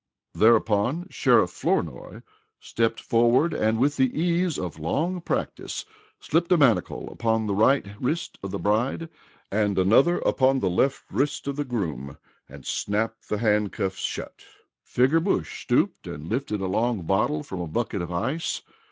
Thereupon Sheriff Flournoy stepped forward and with the ease of long practice slipped a manacle upon the right wrist of the bride and another upon the left wrist of the groom and snapped the handcuffs shut. Figger Bush stooped and lifted a long bottle from a bucket of ice.